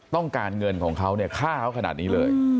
ต้องการเงินของเขาเนี่ยฆ่าเขาขนาดนี้เลย